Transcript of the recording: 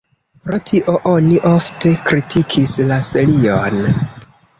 Pro tio oni ofte kritikis la serion.